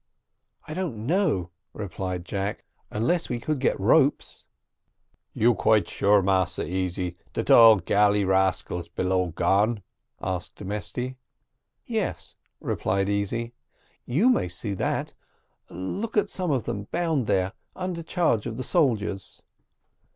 "I don't know," replied Jack, "unless we could get ropes." "You quite sure, Massa Easy, that all galley rascals below gone?" asked Mesty. "Yes," replied Easy, "you may see that; look at some of them bound there, under charge of the soldiers."